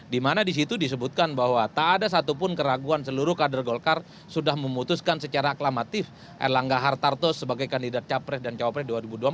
dimana disitu disebutkan bahwa tak ada satupun keraguan seluruh kader golkar sudah memutuskan secara aklamatif erlangga hartarto sebagai kandidat capres dan cawapres dua ribu dua puluh empat